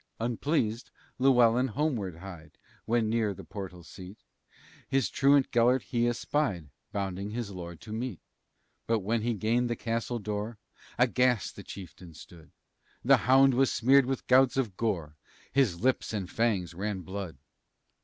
Unpleased, Llewellyn homeward hied, When near the portal seat, His truant Gelert he espied, Bounding his lord to meet. But when he gained the castle door, Aghast the chieftain stood; The hound was smeared with gouts of gore, His lips and fangs ran blood.